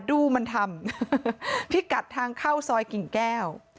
ดูมันทำพิกัดทางเข้าซอยกิ่งแก้ว